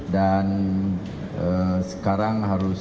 dan sekarang harus